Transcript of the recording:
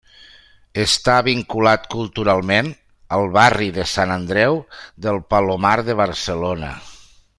Està vinculat culturalment al barri de Sant Andreu del Palomar de Barcelona.